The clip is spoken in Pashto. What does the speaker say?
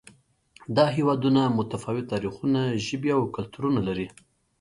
دا هېوادونه متفاوت تاریخونه، ژبې او کلتورونه لري.